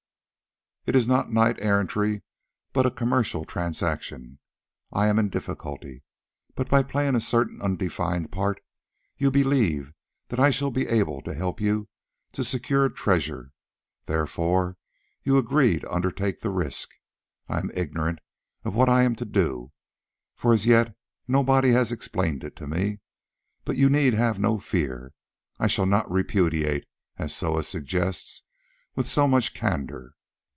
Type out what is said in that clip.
"It is not knight errantry, but a commercial transaction: I am in difficulty, but by playing a certain undefined part you believe that I shall be able to help you to secure treasure; therefore you agree to undertake the risk. I am ignorant of what I am to do, for as yet nobody has explained it to me, but you need have no fear, I shall not repudiate, as Soa suggests with so much candour.